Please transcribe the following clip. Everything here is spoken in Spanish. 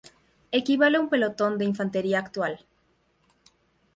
Equivale a un pelotón de infantería actual.